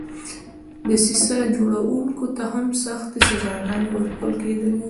دسیسه جوړوونکو ته هم سختې سزاګانې ورکول کېدلې.